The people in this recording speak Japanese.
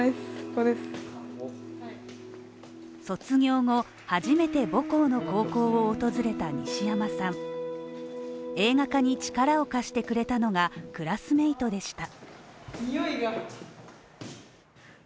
卒業後初めて母校の高校を訪れた西山さん、映画化に力を貸してくれたのが、クラスメイトでした。